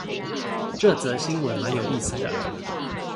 這則新聞蠻有意思的